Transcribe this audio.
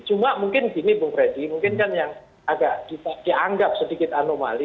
cuma mungkin gini bung freddy mungkin kan yang agak dianggap sedikit anomali